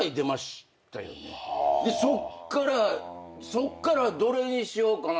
そっからどれにしようかな？